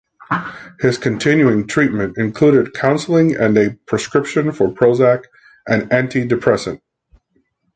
His continuing treatment included counseling and a prescription for Prozac, an anti-depressant.